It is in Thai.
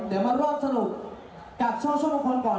เดี๋ยวมารวมสรุปกับช่วงช่วงบังคลก่อน